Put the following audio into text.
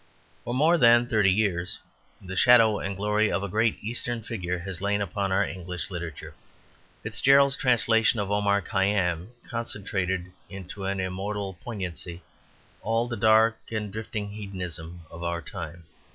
For more than thirty years the shadow and glory of a great Eastern figure has lain upon our English literature. Fitzgerald's translation of Omar Khayyam concentrated into an immortal poignancy all the dark and drifting hedonism of our time.